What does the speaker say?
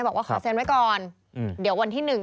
บอกว่าขอเซ็นไว้ก่อนเดี๋ยววันที่หนึ่ง